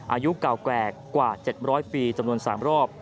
อายุเก่าแก่กว่า๗๐๐ปีจำนวน๓รอบ